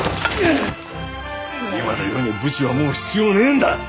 今の世に武士はもう必要ねえんだ！